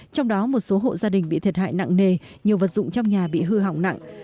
trong đó một số hộ gia đình bị thiệt hại nặng nề nhiều vật dụng trong nhà bị hư hỏng nặng